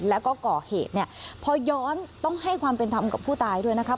แล้วก็ก่อเหตุเนี่ยพอย้อนต้องให้ความเป็นธรรมกับผู้ตายด้วยนะครับ